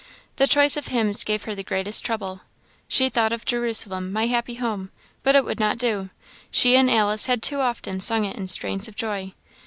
The choice of hymns gave her the greatest trouble. She thought of "Jerusalem, my happy home;" but it would not do; she and Alice had too often sung it in strains of joy.